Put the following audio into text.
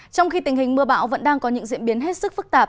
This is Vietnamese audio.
trong khi tình hình mưa bão vẫn đang có những diễn biến hết sức phức tạp